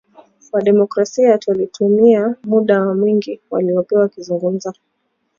Wa demokrasia twalitumia muda wao mwingi waliopewa kuzungumza kwa ukaribu na